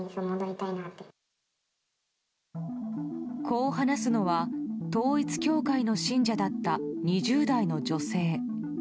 こう話すのは、統一教会の信者だった２０代の女性。